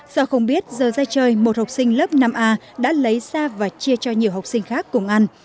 do không biết giờ ra chơi một học sinh lớp năm a đã lấy ra và chia cho nhiều học sinh khác cùng ăn